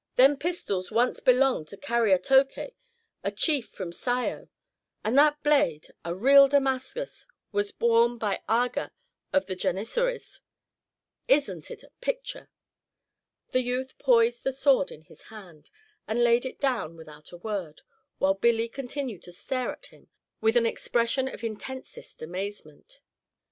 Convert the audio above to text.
Them pistols once belonged to Cariatoké, a chief from Scio; and that blade a real Damascus was worn by an Aga of the Janissaries. Isn't it a picture?" The youth poised the sword in his hand, and laid it down without a word; while Billy continued to stare at him with an expression of intensest amazement.